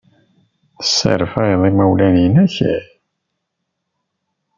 Tesserfayeḍ imawlan-nnek?